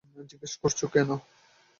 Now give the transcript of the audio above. জিজ্ঞেস করছো কেন?